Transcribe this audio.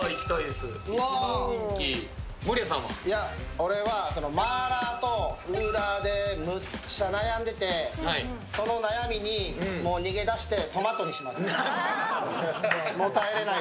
おれはマーラーとウーラーでむっちゃ悩んでて、その悩みに逃げ出してトマトにします、もう耐えれない。